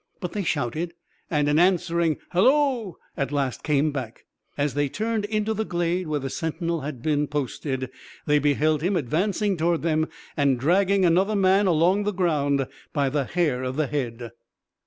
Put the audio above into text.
But they shouted, and an answering "Halloa!" at last came back. As they turned into the glade where the sentinel had been posted, they beheld him advancing towards them and dragging another man along the ground by the hair of the head.